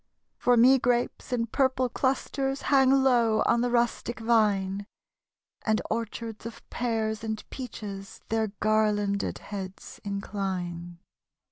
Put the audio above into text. For me grapes in purple clusters Hang low on the rustic vine; And orchards of pears and peaches Their garlanded heads incline.